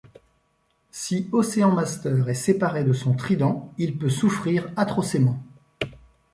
Si Ocean Master est séparé de son trident, il peut souffrir atrocément.